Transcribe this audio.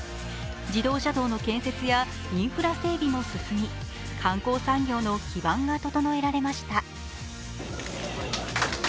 自動車道の建設やインフラ整備も進み観光産業の基盤が整えられました。